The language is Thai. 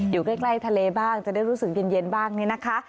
อยู่ใกล้ทะเลบ้างจะได้รู้สึกเย็นบ้างเนี่ยนะคะ